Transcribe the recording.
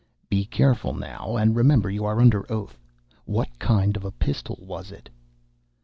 "Be careful now, and remember you are under oath. What kind of a pistol was it?"